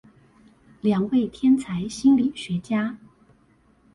兩位天才心理學家